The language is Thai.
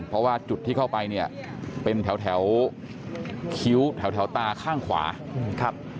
เพราะว่าจุดที่เข้าไปเนี่ยเป็นแถวคิ้วแถวตาข้างขวาครับ